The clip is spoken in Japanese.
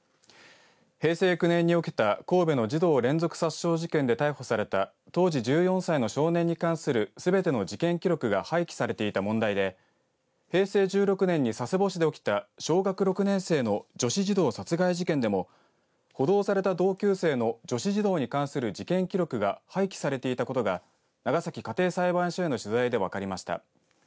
平成９年に起きた神戸の児童連続殺傷事件で逮捕された当時１４歳の少年に関するすべての事件記録が廃棄されていた問題で平成１６年に佐世保市で起きた小学６年生の女子児童殺害事件でも補導された同級生の女子児童に関する事件記録が廃棄されていたことが長崎家庭裁判所への取材で分かりました。